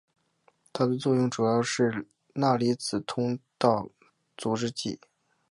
它的作用主要是钠离子通道阻滞剂。